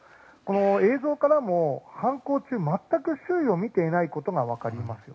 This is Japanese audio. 映像からも、犯行中全く周囲を見ていないことが分かります。